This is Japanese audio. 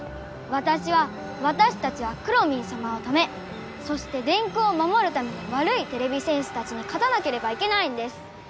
わたしはわたしたちはくろミンさまのためそして電空をまもるためにわるいてれび戦士たちにかたなければいけないんです！